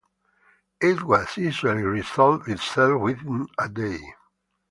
It will usually resolve itself within a day.